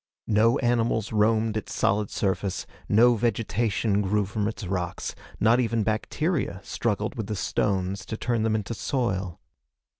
No animals roamed its solid surface. No vegetation grew from its rocks. Not even bacteria struggled with the stones to turn them into soil.